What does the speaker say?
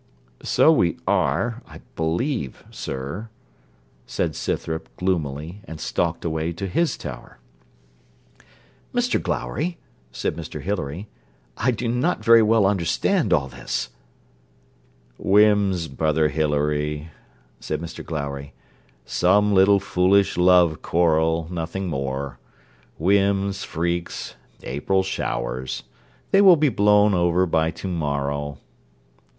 'So we are, I believe, sir,' said Scythrop, gloomily, and stalked away to his tower. 'Mr Glowry,' said Mr Hilary, 'I do not very well understand all this.' 'Whims, brother Hilary,' said Mr Glowry; 'some little foolish love quarrel, nothing more. Whims, freaks, April showers. They will be blown over by to morrow.'